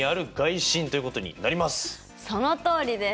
そのとおりです！